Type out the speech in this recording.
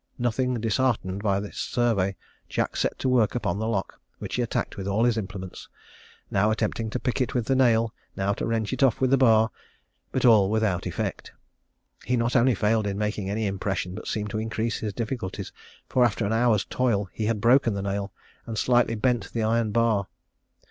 Nothing disheartened by this survey, Jack set to work upon the lock, which he attacked with all his implements; now attempting to pick it with the nail; now to wrench it off with the bar, but all without effect. He not only failed in making any impression but seemed to increase the difficulties, for after an hour's toil he had broken the nail, and slightly bent the iron bar.